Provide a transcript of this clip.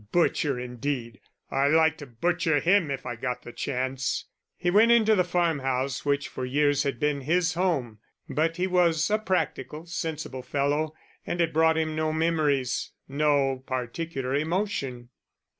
"Butcher indeed! I'd like to butcher him if I got the chance." He went into the farmhouse, which for years had been his home; but he was a practical, sensible fellow and it brought him no memories, no particular emotion.